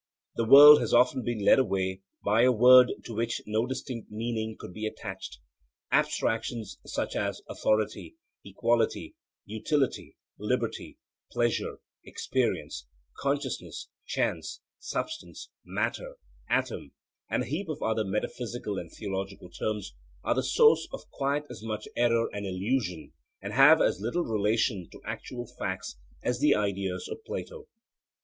The world has often been led away by a word to which no distinct meaning could be attached. Abstractions such as 'authority,' 'equality,' 'utility,' 'liberty,' 'pleasure,' 'experience,' 'consciousness,' 'chance,' 'substance,' 'matter,' 'atom,' and a heap of other metaphysical and theological terms, are the source of quite as much error and illusion and have as little relation to actual facts as the ideas of Plato.